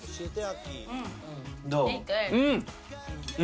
どう？